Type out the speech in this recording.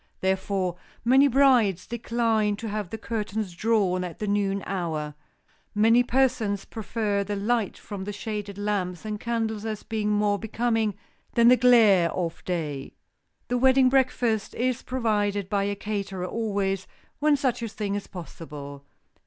Therefore many brides decline to have the curtains drawn at the noon hour. Many persons prefer the light from the shaded lamps and candles, as being more becoming than the glare of day. The wedding breakfast is provided by a caterer always when such a thing is possible.